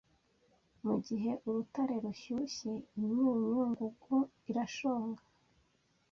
Mugihe urutare rushyushye imyunyu ngugu irashonga